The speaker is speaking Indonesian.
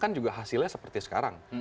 kan juga hasilnya seperti sekarang